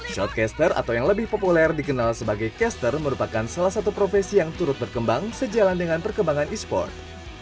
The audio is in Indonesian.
shortcaster atau yang lebih populer dikenal sebagai caster merupakan salah satu profesi yang turut berkembang sejalan dengan perkembangan e sport